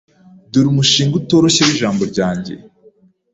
Dore umushinga utoroshye w'ijambo ryanjye.